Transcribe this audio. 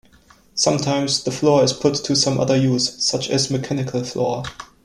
Sometimes, the floor is put to some other use, such as a mechanical floor.